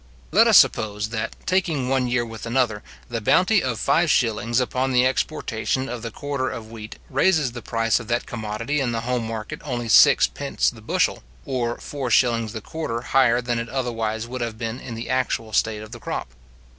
Let us suppose that, taking one year with another, the bounty of 5s. upon the exportation of the quarter of wheat raises the price of that commodity in the home market only 6d. the bushel, or 4s. the quarter higher than it otherwise would have been in the actual state of the crop.